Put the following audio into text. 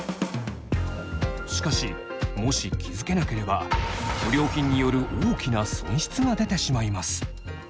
しかしもし気付けなければ不良品による大きな損失が出てしまいます。